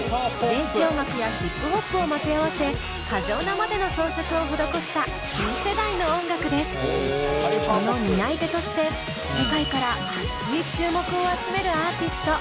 電子音楽やヒップホップを混ぜ合わせ過剰なまでの装飾をほどこしたその担い手として世界からアツい注目を集めるアーティスト。